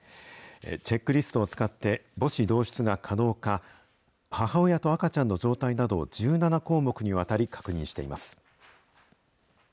チェックリストを使って、母子同室が可能か、母親と赤ちゃんの状態などを１７項目にわたり確認しています。